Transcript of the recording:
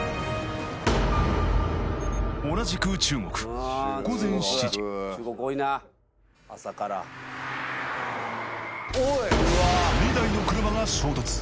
同じく中国午前７時２台の車が衝突